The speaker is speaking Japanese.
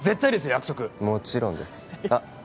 約束もちろんですあっ